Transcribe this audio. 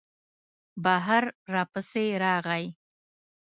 بهر را پسې راغی.